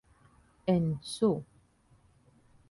En su.